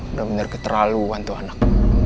udah bener ke terlalu hantu anak